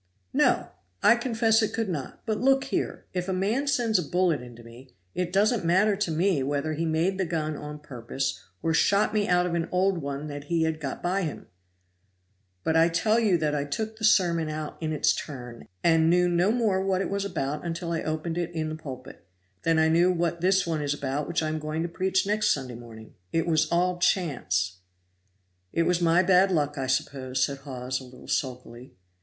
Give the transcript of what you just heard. "No! I confess it could not; but look here, if a man sends a bullet into me, it doesn't matter to me whether he made the gun on purpose or shot me out of an old one that he had got by him." "But I tell you that I took the sermon out in its turn, and knew no more what it was about until I opened it in the pulpit, than I knew what this one is about which I am going to preach next Sunday morning it was all chance." "It was my bad luck, I suppose," said Hawes a little sulkily.